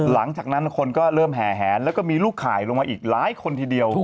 หลังจากนั้นคนก็เริ่มแห่แหนแล้วก็มีลูกข่ายลงมาอีกหลายคนทีเดียว